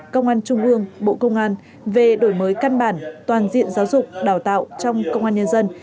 công an trung ương bộ công an về đổi mới căn bản toàn diện giáo dục đào tạo trong công an nhân dân